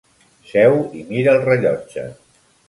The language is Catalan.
Seu i mira el rellotge.